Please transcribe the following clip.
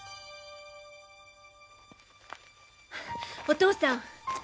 お父さん